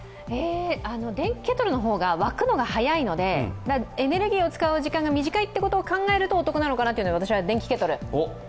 電気ケトルの方が沸くのが速いので、エネルギーを使う時間が短いことを考えるとお得なのかなと思うので、私は電気ケトル。